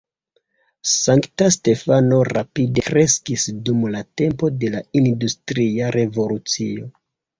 Sankta Stefano rapide kreskis dum la tempo de la industria revolucio.